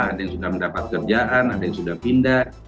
ada yang sudah mendapat kerjaan ada yang sudah pindah